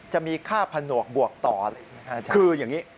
จะมีค่าผนวกบวกต่อคืออย่างนี้